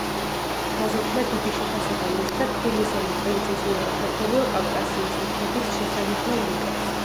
გაზეთმა დიდი შეფასება მისცა „თბილისელი პრინცის“ მიერ შედგენილ „კავკასიის მთების შესანიშნავ რუკებს“.